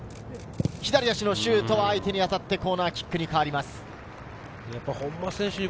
左足のシュートは相手に当たってコーナーキックに変わります。